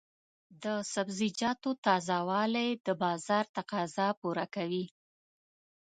د سبزیجاتو تازه والي د بازار تقاضا پوره کوي.